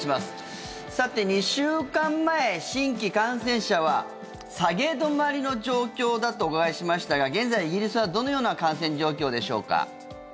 さて、２週間前新規感染者は下げ止まりの状況だとお伺いしましたが現在、イギリスはどのような感染状況でしょうか。